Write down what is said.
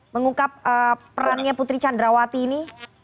mengungkap perannya putri candrawati ini